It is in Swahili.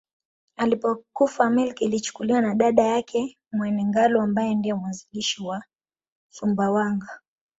Alipokufa milki ilichukuliwa na dada yake Mwene Ngalu ambaye ndiye mwanzilishi wa Sumbawanga